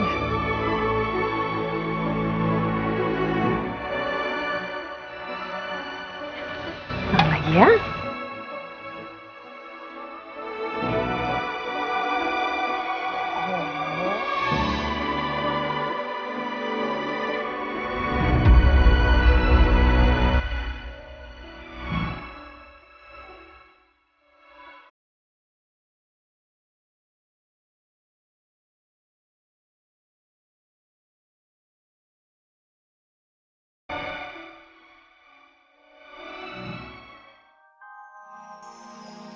tidak ada pr echt apa apa lagi